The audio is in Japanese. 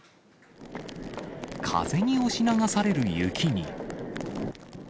風に押し流される雪に。